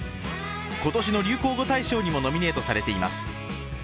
今年の流行語大賞にもノミネートされています。